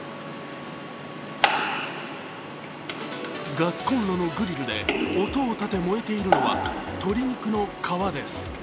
ガスコンロのグリルで音を立てて燃えているのは鶏肉の皮です。